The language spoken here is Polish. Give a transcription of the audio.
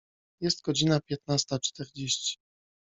Jest godzina piętnasta czterdzieści.